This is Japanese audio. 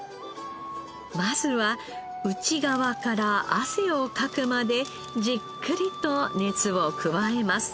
まずは内側から汗をかくまでじっくりと熱を加えます。